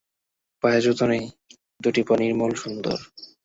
পায়ে জুতো নেই, দুটি পা নির্মল সুন্দর।